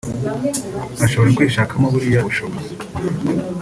ashobora kwishakamo buriya bushobozi